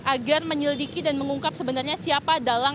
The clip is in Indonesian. agar menyelidiki dan mengungkap sebenarnya siapa dalang